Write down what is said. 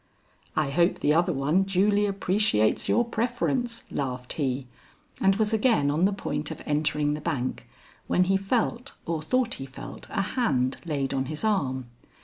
"I hope the other one duly appreciates your preference," laughed he, and was again on the point of entering the bank when he felt or thought he felt a hand laid on his arm.